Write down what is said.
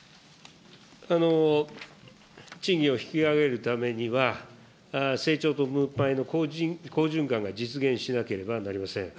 賃金を引き上げるためには、成長と分配の好循環が実現しなければなりません。